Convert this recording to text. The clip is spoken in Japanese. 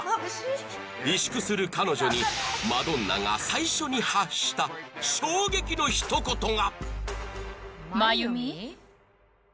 萎縮する彼女にマドンナが最初に発した衝撃のひと言が！